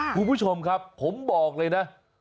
คุณผู้ชมครับผมบอกเลยนะ